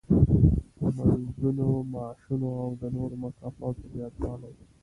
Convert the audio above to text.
د مزدونو، معاشونو او د نورو مکافاتو زیاتوالی.